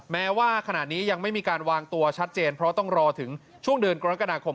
แม้ว่าขณะนี้ยังไม่มีการวางตัวชัดเจนเพราะต้องรอถึงช่วงเดือนกรกฎาคม